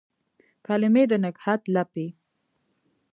کلمې د نګهت لپې